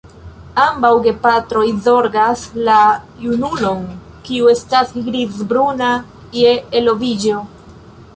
Ambaŭ gepatroj zorgas la junulon, kiu estas grizbruna je eloviĝo.